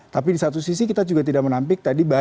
tapi di satu sisi kita juga tidak menampik tadi